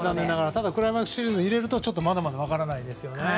ただクライマックスシリーズを入れるとまだ分からないですね。